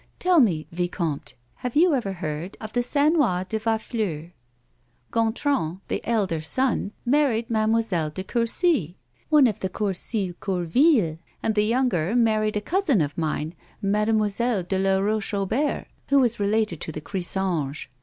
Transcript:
" Tell me, vicomte, have you ever heard of the Saunoys de Varfleur] Gontran, the elder son, married Mademoiselle de Coursil, one of the Coursil Courvilles ; and the yoimger married a cousin of mine, Mademoiselle de la Roche Aubert, who was related to the Crisanges.